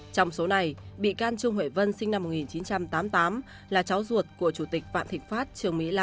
trong số này bị can trương huệ vân sinh năm một nghìn chín trăm tám mươi tám là cháu ruột của chủ tịch vạn thịnh pháp trương mỹ lan